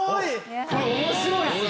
これ面白いっすね。